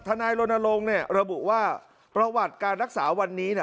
ทนายลนลงระบุว่าประวัติการรักษาวันนี้